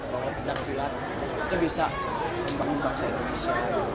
bahwa pencaksilat itu bisa membangun bangsa indonesia